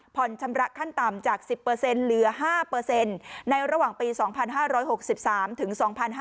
ชำระขั้นต่ำจาก๑๐เหลือ๕ในระหว่างปี๒๕๖๓ถึง๒๕๕๙